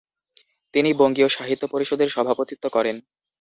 তিনি বঙ্গীয় সাহিত্য পরিষদের সভাপতিত্ব করেন।